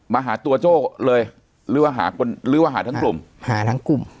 มาหาตัวโจ้เลยหรือว่าหาคนหรือว่าหาทั้งกลุ่มหาทั้งกลุ่ม